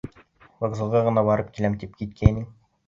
Вокзалға ғына барып киләм, тип киткәйнең?